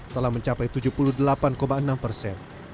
telah mencapai tujuh puluh delapan enam persen